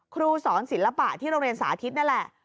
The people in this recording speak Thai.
ครูสอนศิลปะที่โรงเรียนสาธิตนั่นแหละ